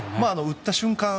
打った瞬間